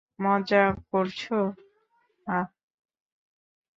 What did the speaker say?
মজা করছো হাহ!